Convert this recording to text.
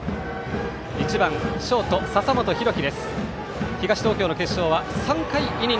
１番ショート、笹本裕樹。